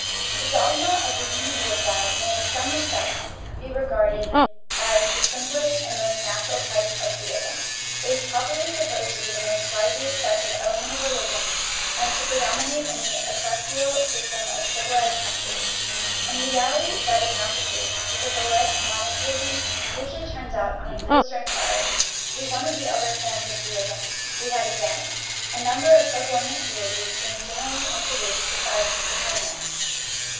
The dogma of the unity of God may in some re spects be regarded as the simplest and most natural type of theism; it is popularly supposed to be the most widely accepted element of religion, and to pre dominate in the ecclesiastical systems of civilized coun tries. In reality, that is not the case, because this al leged "monotheism" usually turns out on closer in quiry to be one of the other forms of theism we have 279. THE RIDDLE OF THE UNIVERSE examined, a number of subordinate deities being gen erally introduced besides the supreme one.